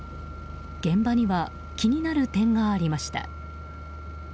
現場には気になる点がありました。